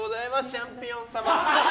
チャンピオン様。